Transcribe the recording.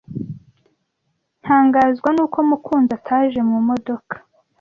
Ntangazwa nuko Mukunzi ataje mu modoka.